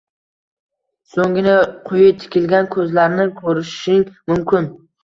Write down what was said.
So‘nggina quyi tikilgan ko‘zlarni ko‘rishing mumkin.